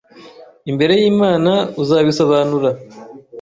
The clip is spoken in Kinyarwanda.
imbere y’Imana uzabisobanura